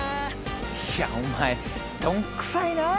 いやお前どんくさいなあ。